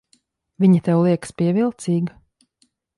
Viņa tev liekas pievilcīga?